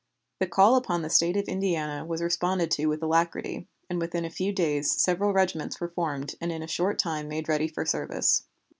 The call upon the State of Indiana was responded to with alacrity, and within a few days several regiments were formed and in a short time made ready for service.